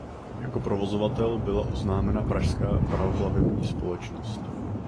Jako provozovatel byla oznámena Pražská paroplavební společnost.